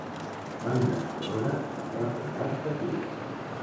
Banda sonora del refredat de pit.